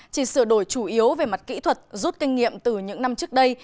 chỉ sửa đổi chủ yếu về mặt kỹ thuật rút kinh nghiệm từ những năm trước đây